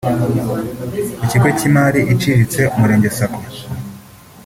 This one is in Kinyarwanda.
Ikigo cy’imari iciriritse Umurenge Sacco